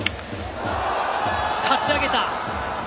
かち上げた。